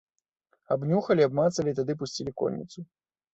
Абнюхалі, абмацалі, тады пусцілі конніцу.